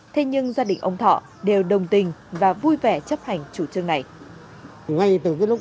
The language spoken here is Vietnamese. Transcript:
thế nhưng gia đình ông thọ đều đồng tình và vui vẻ chấp hành chủ trương này